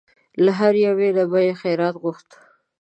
له هرې یوې نه به یې خیرات غوښت.